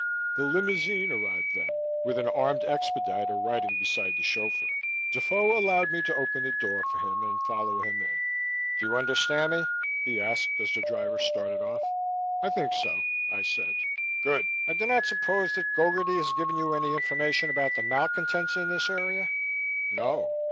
The limousine arrived then, with an armed expediter riding beside the chauffeur. Defoe allowed me to open the door for him and follow him in. "Do you understand me?" he asked as the driver started off. "I think so," I said. "Good. I do not suppose that Gogarty has given you any information about the malcontents in this area." "No."